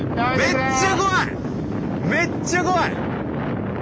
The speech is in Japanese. めっちゃ怖い！